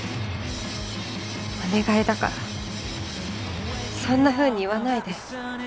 お願いだからそんなふうに言わないで